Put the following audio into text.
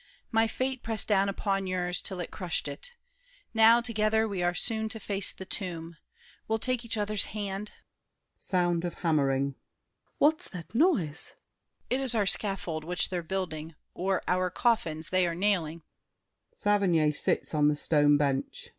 My fate Pressed down upon yours 'til it crushed it. Now, Together, we are soon to face the tomb. We'll take each other's hand— [Sound of hammering. SAVERNY. What is that noise? DIDIER. It is our scaffold which they're building, or Our coffins they are nailing.